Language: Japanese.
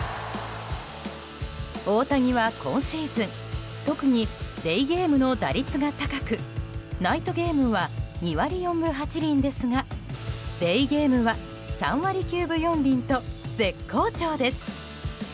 大谷は今シーズン特にデーゲームの打率が高くナイトゲームは２割４分８厘ですがデーゲームは３割９分４厘と絶好調です。